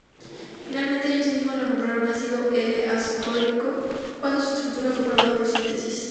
Finalmente ellos mismos lo nombraron ácido L-ascórbico cuando su estructura fue probada por síntesis.